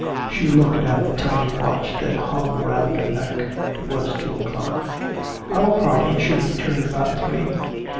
She looked at the tiny watch that hung round her neck. It was two o'clock. 'Our party should return about three!